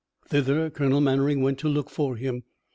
Thither Colonel Mannering went to look for him.